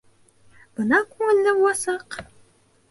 Бына күңелле буласаҡ!